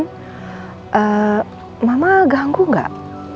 ee mama ganggu gak